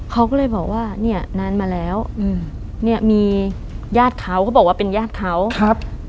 เขาก็เลยบอกว่าเนี่ยนานมาแล้วอืมเนี่ยมีญาติเขาเขาบอกว่าเป็นญาติเขาครับ